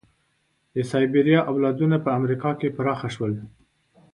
د سایبریا اولادونه په امریکا کې پراخه شول.